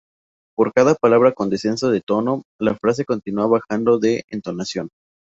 Por cada palabra con descenso de tono, la frase continúa bajando de entonación.